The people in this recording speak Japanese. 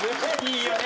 いいよね！